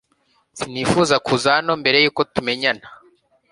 Sinifuzaga kuza hano mbere yuko tumenyana.